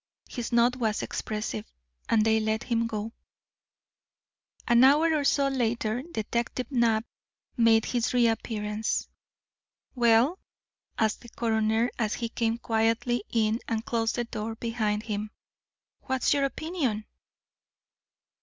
His nod was expressive, and they let him go. An hour or so later Detective Knapp made his reappearance. "Well," asked the coroner, as he came quietly in and closed the door behind him, "what's your opinion?"